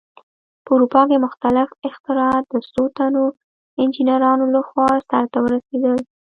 په اروپا کې مختلف اختراعات د څو تنو انجینرانو لخوا سرته ورسېدل.